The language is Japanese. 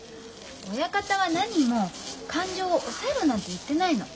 親方はなにも感情を抑えろなんて言ってないの。